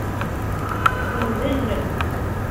Ndel.